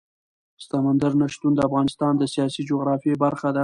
سمندر نه شتون د افغانستان د سیاسي جغرافیه برخه ده.